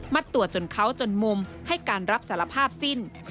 ตัวจนเขาจนมุมให้การรับสารภาพสิ้น